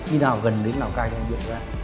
khi nào gần đến lào cai thì anh điện thoại